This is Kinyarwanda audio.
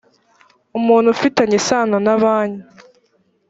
umuntu ufitanye isano na banki